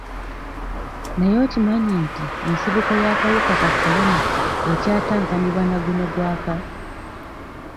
Naye okimanyi nti ensibuko y'akawuka ka Corona ekyatankanibwa na guno gwaka?